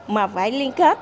mà phải liên kết